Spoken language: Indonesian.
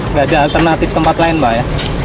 tidak ada alternatif keempat lain pak